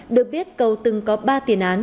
được biết cầu từng có ba tiền án